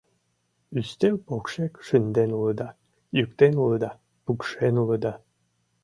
Ӱстел покшек шынден улыда, йӱктен улыда, пукшен улыда